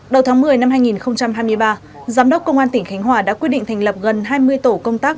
đầu tháng một mươi năm hai nghìn hai mươi ba giám đốc công an tỉnh khánh hòa đã quyết định thành lập gần hai mươi tổ công tác